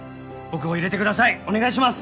お願いします！